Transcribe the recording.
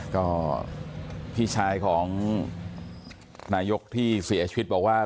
ก็พี่ชายของนายกที่เสียชีวิตบอกว่า